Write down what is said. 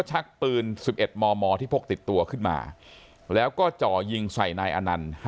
ชักปืน๑๑มมที่พกติดตัวขึ้นมาแล้วก็จ่อยิงใส่นายอนันต์